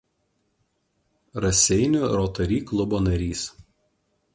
Raseinių Rotary klubo narys.